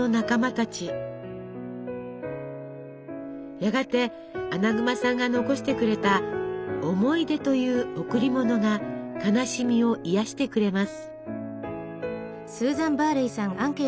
やがてアナグマさんが残してくれた思い出という「贈り物」が悲しみを癒やしてくれます。